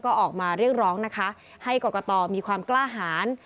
ก็ออกมาเรียกร้องนะคะให้กรกตมีความกล้าหาร